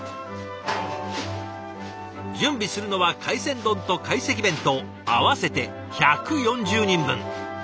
準備するのは海鮮丼と懐石弁当合わせて１４０人分。